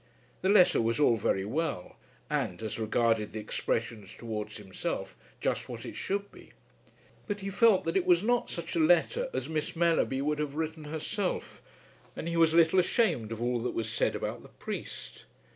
The letter was all very well, and, as regarded the expressions towards himself, just what it should be. But he felt that it was not such a letter as Miss Mellerby would have written herself, and he was a little ashamed of all that was said about the priest.